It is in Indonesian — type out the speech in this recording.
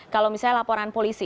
kalau misalnya laporan polisi